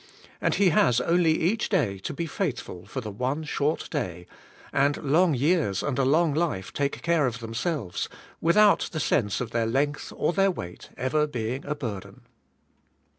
And he has only each day to be faithful for the one short day, and long years and a long life take care of them selves, without the sense of their length or their weight ever being a burden.